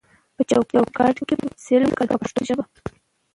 په چوکاټ کې یې په پنسل ولیکئ په پښتو ژبه.